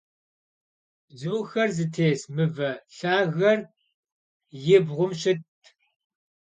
Bzuxer zıtês mıve lhager yi bğum şıtt.